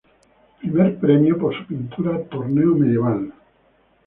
Primer premio por su pintura "Torneo Medieval"